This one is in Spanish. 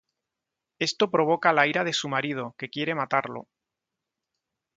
Esto provoca la ira de su marido, que quiere matarlo.